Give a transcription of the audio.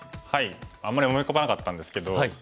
あんまり思い浮かばなかったんですけど